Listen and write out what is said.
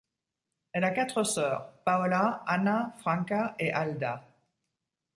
Elle a quatre sœurs, Paola, Anna, Franca et Alda.